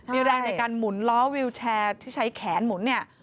มีแรงในการหมุนล้อวิวแชร์ที่ใช้แขนหมุนเนี่ย